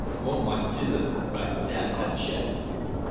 "Oh, mon Dieu!" cried Madame Planchet.